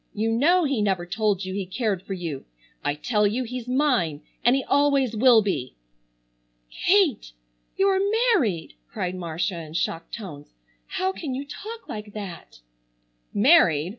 You know he never told you he cared for you. I tell you he's mine, and he always will be." "Kate, you're married!" cried Marcia in shocked tones. "How can you talk like that?" "Married!